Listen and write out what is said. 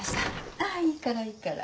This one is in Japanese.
ああいいからいいから。